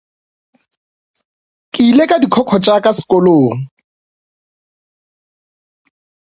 Ke ile ka dikhokho tša ka sekolong.